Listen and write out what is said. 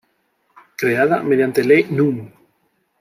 Creada mediante Ley Núm.